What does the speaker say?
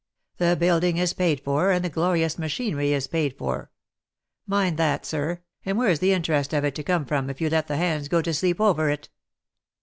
The building is paid for, and the glorious machinery is paid for — mind that, sir, and where's the interest of it to come from if you let the hands go to sleep over it